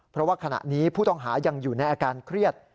เพราะว่าขณะนี้ผู้ต้องหายังอยู่ในอาการเครียด